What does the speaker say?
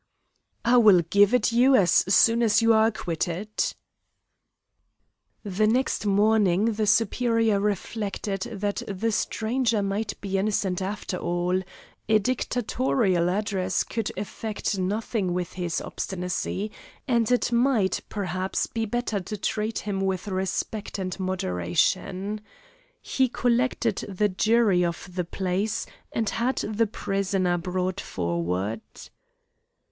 "I will give it you as soon as you are acquitted." The next morning the superior reflected that the stranger might be innocent after all; a dictatorial address could effect nothing with his obstinacy, and it might, perhaps, be better to treat him with respect and moderation. He collected the jury of the place, and had the prisoner brought forward.